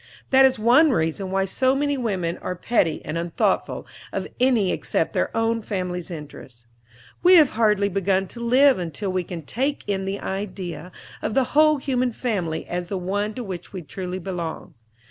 That is one reason why so many women are petty and unthoughtful of any except their own family's interests. We have hardly begun to live until we can take in the idea of the whole human family as the one to which we truly belong.